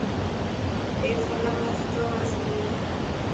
اي فلم ۾ سٺو ميسج هي.